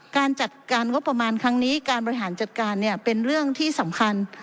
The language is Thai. การจัดการงบประมาณครั้งนี้การบริหารจัดการเนี่ยเป็นเรื่องที่สำคัญ